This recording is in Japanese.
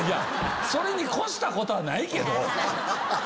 それに越したことはないけど。